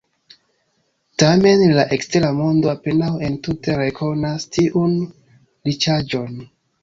Tamen la ekstera mondo apenaŭ entute rekonas tiun riĉaĵon.